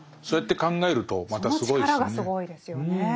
そうやって考えるとまたすごいですね。